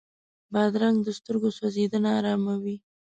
بادرنګ د سترګو سوځېدنه اراموي.